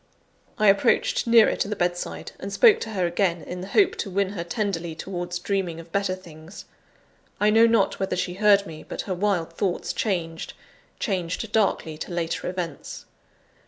I approached nearer to the bedside, and spoke to her again, in the hope to win her tenderly towards dreaming of better things. I know not whether she heard me, but her wild thoughts changed changed darkly to later events.